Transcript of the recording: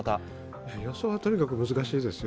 予想はとにかく難しいですよ